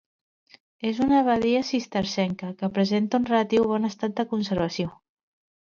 És una abadia cistercenca, que presenta un relatiu bon estat de conservació.